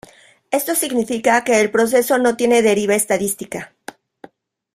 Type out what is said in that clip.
Esto significa que el proceso no tiene deriva estadística.